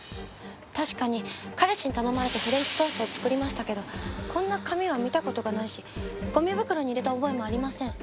確かに彼氏に頼まれてフレンチトーストを作りましたけどこんな紙は見た事がないしゴミ袋に入れた覚えもありません。